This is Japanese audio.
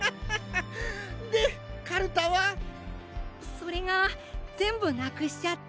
それがぜんぶなくしちゃって。